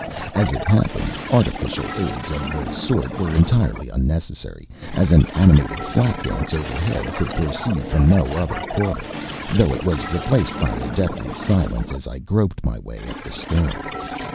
As it happened, artificial aids of the sort were entirely unnecessary, as an animated flap dance overhead could proceed from no other quarter, though it was replaced by a deathly silence as I groped my way up the stair.